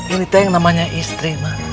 ini teh yang namanya istri